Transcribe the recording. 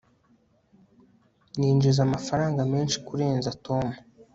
ninjiza amafaranga menshi kurenza tom